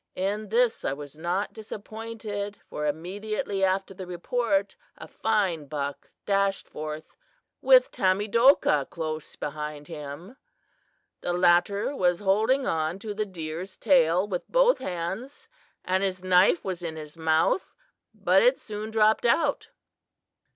In this I was not disappointed, for immediately after the report a fine buck dashed forth with Tamedokah close behind him. The latter was holding on to the deer's tail with both hands and his knife was in his mouth, but it soon dropped out.